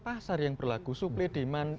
pasar yang berlaku supply demand